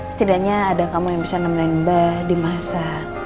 setidaknya ada kamu yang bisa nemenin mbah di masa